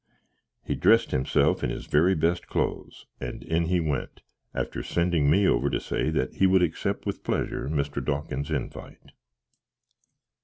He dressed himself in his very best clothes, and in he went, after sending me over to say that he would xcept with pleasyour Mr. Dawkins's invite.